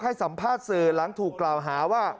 ให้สัมภาษณ์สื่อหลังถูกกล่าวหาว่า